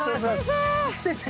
先生。